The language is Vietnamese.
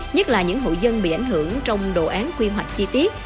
nhất là những hội dân bị ảnh hưởng trong đồ án quy hoạch chi tiết